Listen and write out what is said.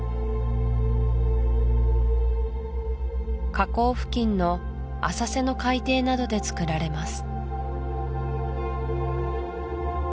河口付近の浅瀬の海底などでつくられます